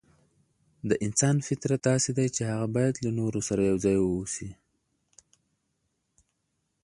د انسان فطرت داسې دی چي هغه بايد له نورو سره يو ځای واوسي.